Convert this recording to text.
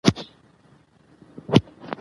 مور د کورنۍ د خوړو د پخولو په وخت د تیلو کم کاروي.